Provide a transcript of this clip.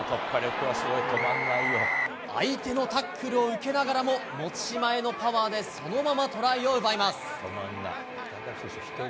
相手のタックルを受けながらも、持ち前のパワーでそのままトライを奪います。